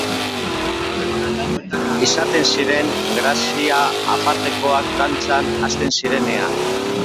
Izaten ziren grazia apartekoak dantzan hasten zirenean.